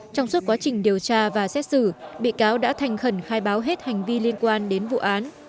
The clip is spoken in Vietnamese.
trong suốt quá trình điều tra và xét xử bị cáo đã thành khẩn khai báo hết hành vi liên quan đến vụ án